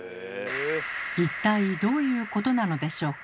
一体どういうことなのでしょうか？